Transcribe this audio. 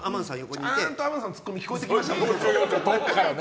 ちゃんとツッコミ聞こえてきましたね。